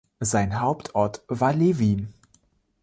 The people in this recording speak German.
Sein Hauptort war Levie.